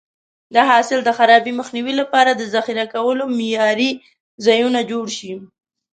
د حاصل د خرابي مخنیوي لپاره د ذخیره کولو معیاري ځایونه جوړ شي.